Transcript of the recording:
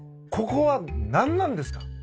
ここは何なんですか？